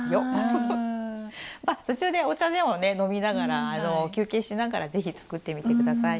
途中でお茶でもね飲みながら休憩しながら是非作ってみて下さい。